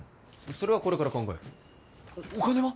それはこれから考えるお金は？